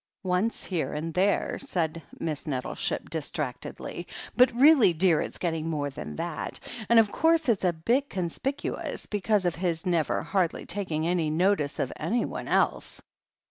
"Once here and there," said Miss Nettleship dis tractedly, "but really, dear, it's getting more than that, and of course it's a bit conspicuous because of his never hardly taking any notice of anyone else.